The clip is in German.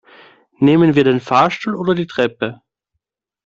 Nehmen wir den Fahrstuhl oder die Treppe?